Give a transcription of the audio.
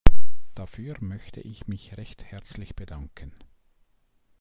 Dafür möchte ich mich recht herzlich bedanken.